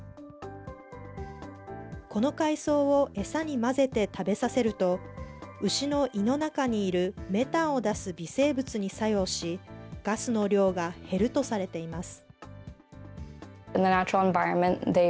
この海藻を餌に混ぜて食べさせると、牛の胃の中にいるメタンを出す微生物に作用し、ガスの量が減るとされています。